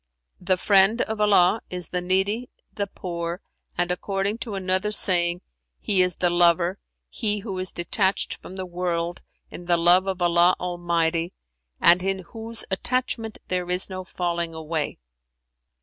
[FN#382] "The friend of Allah is the needy, the poor, and (according to another saying) he is the lover, he who is detached from the world in the love of Allah Almighty and in whose attachment there is no falling away."